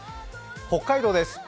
北海道です。